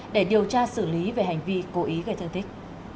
để điều tra xử lý về hành vi cố ý gây thương tích